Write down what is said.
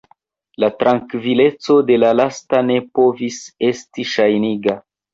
La trankvileco de la lasta ne povis esti ŝajniga.